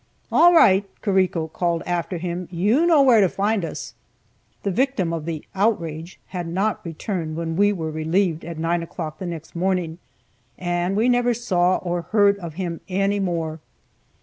"All right!" Carrico called after him, "you know where to find us." The victim of the "outrage" had not returned when we were relieved at 9 o'clock the next morning, and we never saw or heard of him any more.